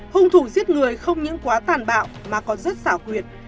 hung thủ giết người không những quá tàn bạo mà còn rất xảo quyệt